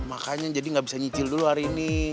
makanya jadi nggak bisa nyicil dulu hari ini